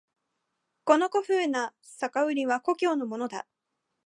この古風な酒瓢は故郷のものだ。